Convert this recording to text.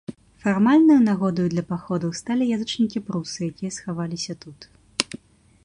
Фармальнаю нагодаю для паходаў сталі язычнікі-прусы, якія схаваліся тут.